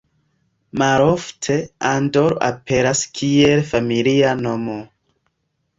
Malofte Andor aperas kiel familia nomo.